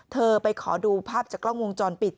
เธอไปขอดูภาพจากกล้องวงจรปิด